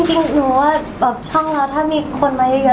จริงหนูว่าแบบช่องเราถ้ามีคนมาเยอะ